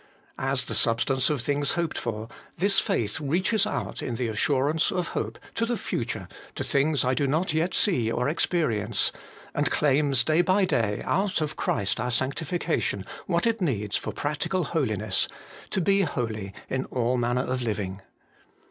As the substance of things hoped for, this faith reaches out in the assurance of hope to the future, to things I do not yet see or experience, and claims, day by day, out of Christ our sanctification, what it needs for practical holiness, ' to be holy in all manner of living.'